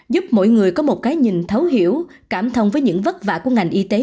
giúp mỗi người có một cái nhìn thấu hiểu cảm thông với những vất vả của ngành y tế